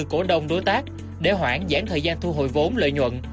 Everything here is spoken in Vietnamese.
cổ đông đối tác để hoãn thời gian thu hồi vốn lợi nhuận